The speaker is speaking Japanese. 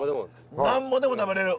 なんぼでも食べれる。